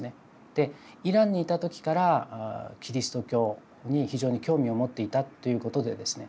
でイランにいた時からキリスト教に非常に興味を持っていたということでですね。